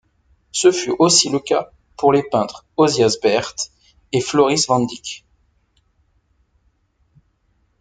Ce fut aussi le cas pour les peintres Osias Beert et Floris van Dijck.